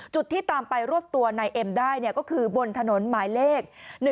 ที่ตามไปรวบตัวนายเอ็มได้ก็คือบนถนนหมายเลข๑๒